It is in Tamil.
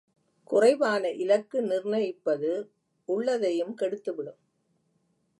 குறைவான இலக்கு நிர்ணயிப்பது உள்ளதையும் கெடுத்துவிடும்.